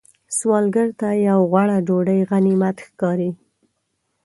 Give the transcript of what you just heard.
سوالګر ته یو غوړه ډوډۍ غنیمت ښکاري